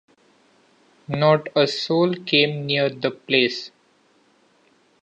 Not a soul came near the place.